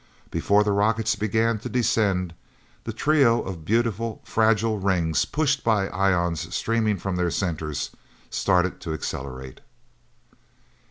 Before the rockets began to descend, the trio of beautiful, fragile rings, pushed by ions streaming from their centers, started to accelerate.